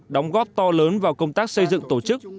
đóng góp to lớn vào công tác xây dựng tổ chức